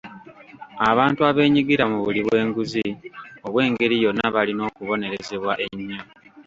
Abantu abeenyigira mu buli bw'enguzi obw'engeri yonna balina okubonerezebwa ennyo.